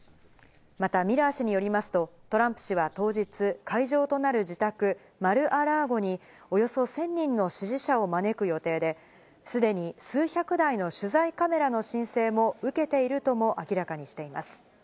また、ミラー氏によりますと、トランプ氏は当日、会場となる自宅、マル・ア・ラーゴに、およそ１０００人の支持者を招く予定で、すでに数百台の取材カメラの申請も受けているとも明らかにしています。